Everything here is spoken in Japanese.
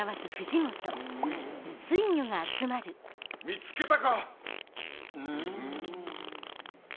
見つけたか？